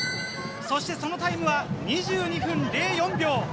そしてそのタイムは２２分０４秒。